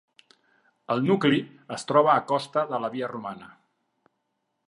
El nucli es troba a costa de la via romana.